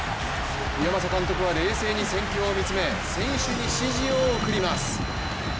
岩政監督は冷静に戦況を見つめ選手に指示を送ります。